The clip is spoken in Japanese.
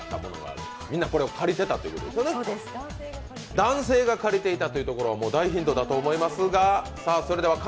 男性が借りていたというところが大ヒントだと思います。